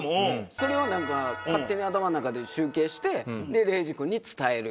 それをなんか勝手に頭の中で集計してで礼二君に伝える。